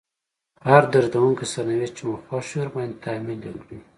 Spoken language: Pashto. هر دردونکی سرنوشت چې مو خوښ وي ورباندې تحميل کړئ.